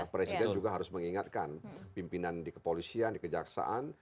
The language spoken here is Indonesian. presiden juga harus mengingatkan pimpinan di kepolisian di kejaksaan